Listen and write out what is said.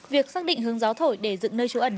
việc xác định hướng gió thổi để dựng nơi trú ẩn